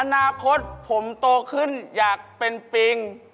อนาคตผมโตขึ้นอยากเป็นปิง